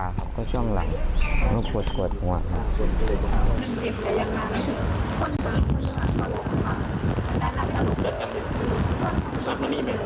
มันขาก็ช่องหลังมันกวดหัวครับ